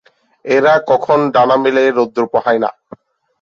এরা কখন ডানা মেলে রৌদ্র পোহায় না।